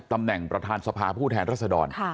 ตำแหน่งประธานสภาผู้แทนรัศดร